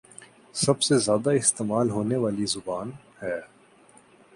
سب سے زیادہ استعمال ہونے والی زبان ہے